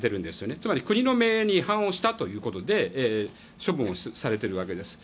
つまり、国の方針に違反をしたということで処分をされているわけです。